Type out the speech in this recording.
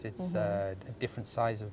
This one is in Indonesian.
itu mesin berbeda ukuran